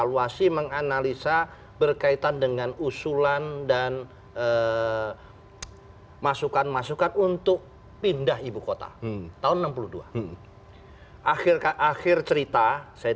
lalu setelah payung hukumnya jelas